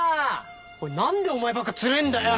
おい何でお前ばっか釣れんだよ！